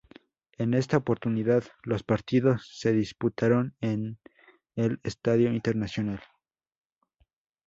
En esta oportunidad, los partidos se disputaron en el Estadio Internacional.